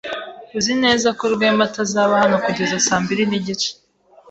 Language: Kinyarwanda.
Uzi neza ko Rwema atazaba hano kugeza saa mbiri nigice?